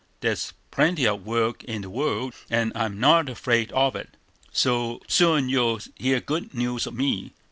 There is plenty of work in the world, and I'm not afraid of it; so you'll soon hear good news of me.